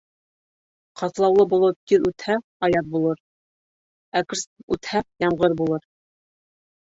Ҡатлаулы болот тиҙ үтһә, аяҙ булыр, әкрсн үтһә, ямғыр булыр.